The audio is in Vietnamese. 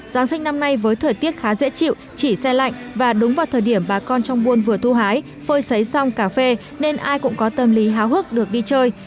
giáng sinh năm nay với thời tiết khá dễ chịu chỉ xe lạnh và đúng vào thời điểm bà con trong buôn vừa thu hái phơi xấy xong cà phê nên ai cũng có tâm lý háo hức được đi chơi